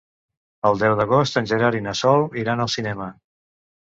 El deu d'agost en Gerard i na Sol iran al cinema.